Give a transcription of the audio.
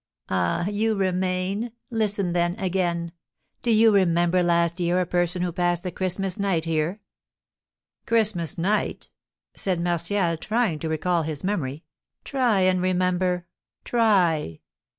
"Ah! You remain? Listen then, again! Do you remember last year a person who passed the Christmas night here?" "Christmas night?" said Martial, trying to recall his memory. "Try and remember, try!"